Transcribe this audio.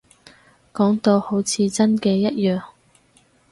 講到好似真嘅一樣